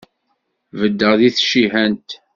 Beddeɣ di tcihant.